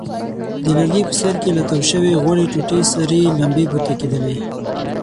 د لرګي په سر کې له تاو شوې غوړې ټوټې سرې لمبې پورته کېدلې.